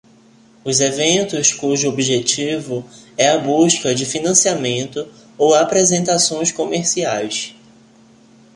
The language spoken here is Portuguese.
Os eventos cujo objetivo é a busca de financiamento ou apresentações comerciais.